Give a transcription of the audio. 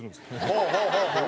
ほうほうほうほう！